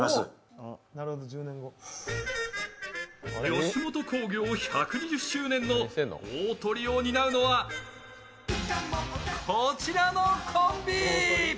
吉本興業１２０周年の大トリを担うのはこちらのコンビ！